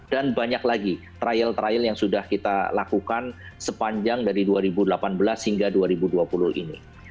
dan banyak lagi trial trial yang sudah kita lakukan sepanjang dari dua ribu delapan belas hingga dua ribu dua puluh ini